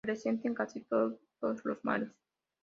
Presente en casi todos los mares.